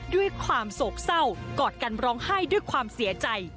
ด้วยความโศกเศร้ากอดกันร้องไห้ด้วยความเสียใจ